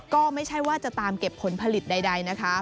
ก็ไม่ใช่ว่าจะตามเก็บผลผลิตใดนะคะ